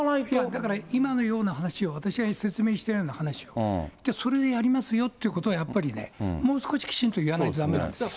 だから今のような話を、私が説明してるような話を、それでやりますよってことをやっぱりね、もう少しきちんと言わないとだめなんですよ。